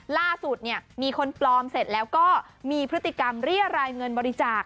ล่าสุดมีคนปลอมเสร็จแล้วก็มีพฤติกรรมเรียรายเงินบริจาค